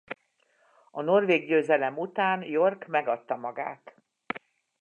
A norvég győzelem után York megadta magát.